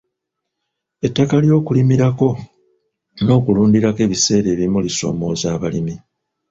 Ettaka ly'okulimirako n'okulundirako ebiseera ebimu kisoomooza abalimi